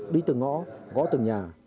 đi từng ngõ gõ từng nhà